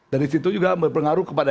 dari situ juga berpengaruh kepada